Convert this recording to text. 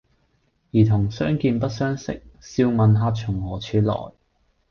兒童相見不相識，笑問客從何處來？